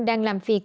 đang làm việc